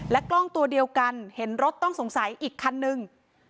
กล้องตัวเดียวกันเห็นรถต้องสงสัยอีกคันนึง